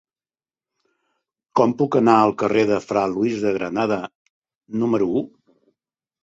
Com puc anar al carrer de Fra Luis de Granada número u?